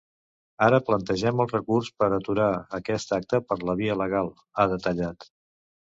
Ara plantegem el recurs per aturar aquest acte per la via legal, ha detallat.